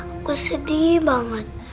aku sedih banget